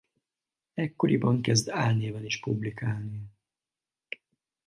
Ekkoriban kezd álnéven is publikálni.